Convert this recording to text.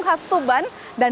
gulai kepala ikan